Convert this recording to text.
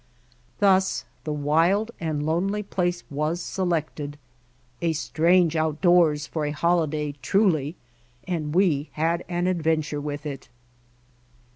Thus the wild and lonely place was selected. A strange outdoors for a holiday truly, and we had an adventure with it.